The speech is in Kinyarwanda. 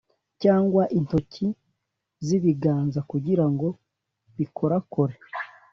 cyangwa intoki z’ibiganza kugira ngo bikorakore,